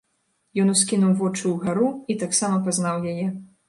Ён ускінуў вочы ўгару і таксама пазнаў яе.